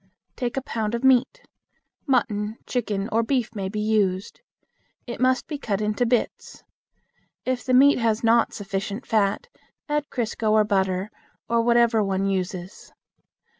Take a pound of meat. Mutton, chicken, or beef may be used. It must be cut in bits. If the meat has not sufficient fat, add crisco or butter, or whatever one uses.